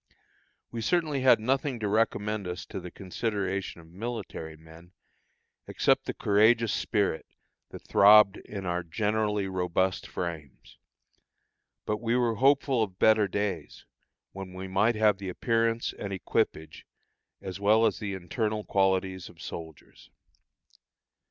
We certainly had nothing to recommend us to the consideration of military men, except the courageous spirit that throbbed in our generally robust frames. But we were hopeful of better days, when we might have the appearance and equipage as well as the internal qualities of soldiers.